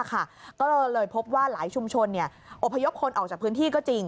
ก็เลยพบว่าหลายชุมชนอบพยพคนออกจากพื้นที่ก็จริง